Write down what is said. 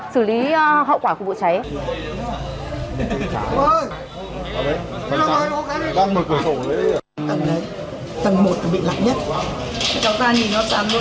tại hiện trường xử lý hậu quả của vụ cháy